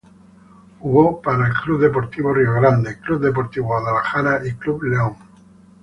Jugó para el Club Deportivo Río Grande, Club Deportivo Guadalajara y Club León.